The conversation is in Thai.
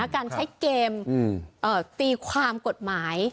การใช้เกมตีความกฎหมาย